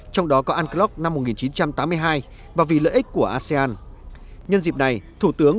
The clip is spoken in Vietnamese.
trong đó có unclock năm một nghìn chín trăm tám mươi hai và vì lợi ích của asean